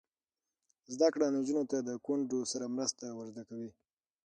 زده کړه نجونو ته د کونډو سره مرسته ور زده کوي.